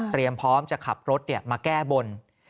พร้อมจะขับรถมาแก้บน